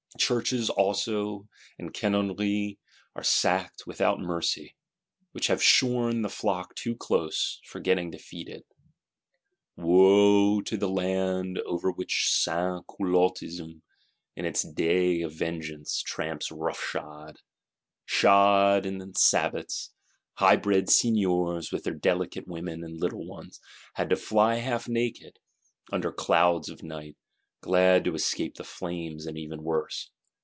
Churches also, and Canonries, are sacked, without mercy; which have shorn the flock too close, forgetting to feed it. Wo to the land over which Sansculottism, in its day of vengeance, tramps roughshod,—shod in sabots! Highbred Seigneurs, with their delicate women and little ones, had to "fly half naked," under cloud of night; glad to escape the flames, and even worse.